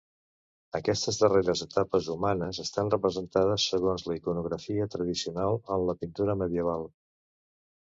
Aquestes darreres etapes humanes estan representades segons la iconografia tradicional en la pintura medieval.